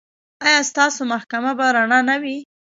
ایا ستاسو محکمه به رڼه نه وي؟